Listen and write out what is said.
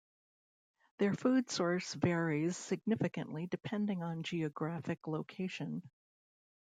Their food source varies significantly depending on geographic location.